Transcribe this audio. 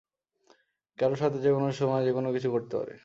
কারও সাথে যেকোনো সময়, যেকোনো কিছু ঘটতে পারে।